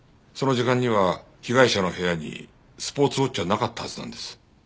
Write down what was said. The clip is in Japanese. その時間には被害者の部屋にスポーツウォッチはなかったはずなんです。